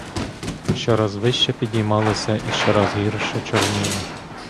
Щораз вище підіймалася і щораз гірше чорніла.